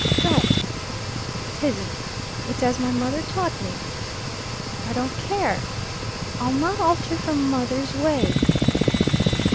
"Shright." "'Tisn't." "It's as my mother taught me." "I don't care." "I'll not alter from mother's way."